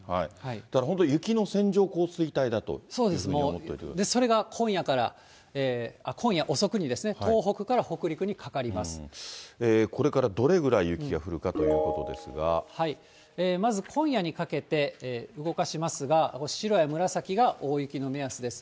だから本当に、雪の線状降水帯だというふうに思っておいてくださそれが今夜から、今夜遅くに、これからどれぐらい雪が降るまず今夜にかけて動かしますが、この白や紫が大雪の目安です。